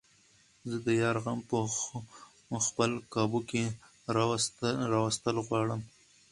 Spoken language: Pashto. زۀ د يار غم په خپل قابو کښې راوستل غواړمه